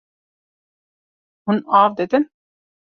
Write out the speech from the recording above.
Hûn av didin.